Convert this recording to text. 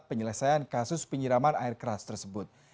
penyelesaian kasus penyiraman air keras tersebut